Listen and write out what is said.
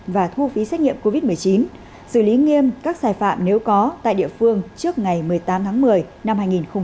và thu phí xét nghiệm covid một mươi chín xử lý nghiêm các sai phạm nếu có tại địa phương trước ngày một mươi tám tháng một mươi năm hai nghìn hai mươi